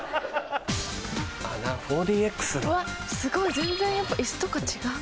全然やっぱ椅子とか違う。